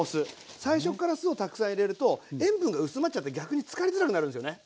最初っから酢をたくさん入れると塩分が薄まっちゃって逆に漬かりづらくなるんですよね。